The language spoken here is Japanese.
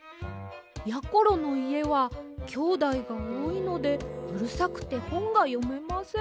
やころのいえはきょうだいがおおいのでうるさくてほんがよめません。